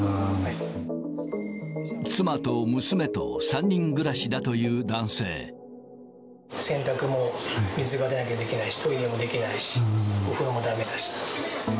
妻と娘と３人暮らしだという洗濯も、水が出なきゃできないし、トイレもできないし、お風呂もだめだし。